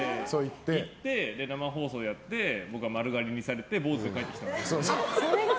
行って生放送でやって僕は丸刈りにされて坊主で帰ってきたんですよね。